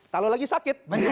kalau lagi sakit